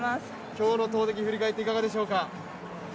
今日の投てき振り返っていかがでしょうか。